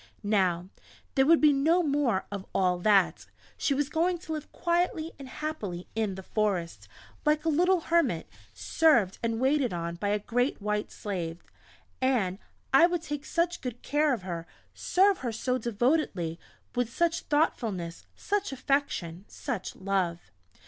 Now, there would be no more of all that. She was going to live quietly and happily in the forest, like a little Hermit, served and waited on by a great White Slave! And I would take such good care of her serve her so devotedly with such thoughtfulness, such affection, such love!...